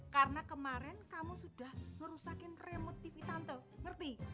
karena kemarin kamu sudah merusakin remote tv tante ngerti